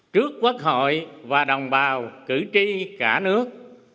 trước quốc hội và đồng bào cử tri cả nước